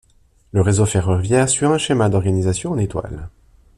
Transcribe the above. Le réseau ferroviaire suit un schéma d'organisation en étoile.